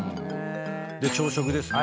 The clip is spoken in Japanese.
朝食ですね。